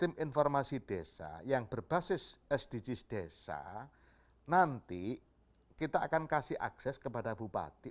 tim informasi desa yang berbasis sdgs desa nanti kita akan kasih akses kepada bupati